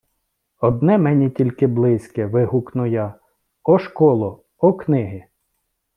Одне мені тільки близьке, вигукну я: о школо, о книги!